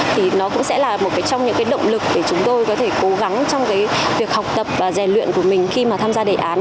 thì nó cũng sẽ là một trong những động lực để chúng tôi có thể cố gắng trong việc học tập và rèn luyện của mình khi mà tham gia đề án